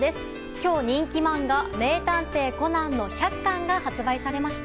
今日、人気漫画「名探偵コナン」の１００巻が発売されました。